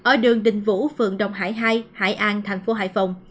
ở đường đình vũ phường đồng hải hai hải an thành phố hải phòng